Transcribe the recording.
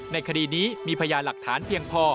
ในคดีนี้มีพยานหลักฐานเพียงพอ